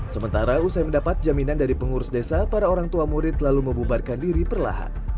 sementara usai mendapat jaminan dari pengurus desa para orang tua murid lalu membubarkan diri perlahan